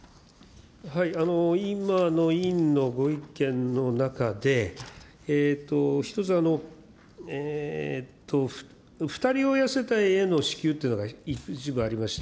今の委員のご意見の中で、一つ、２人親世帯への支給っていうのが一部ありました。